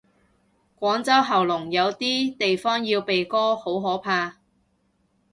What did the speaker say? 廣州喉嚨，有啲地方要鼻哥，好可怕。